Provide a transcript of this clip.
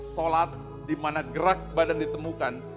sholat dimana gerak badan ditemukan